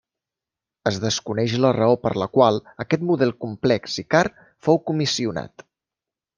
Es desconeix la raó per la qual aquest model complex i car fou comissionat.